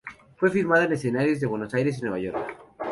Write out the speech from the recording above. Fue filmada en escenarios de Buenos Aires y Nueva York.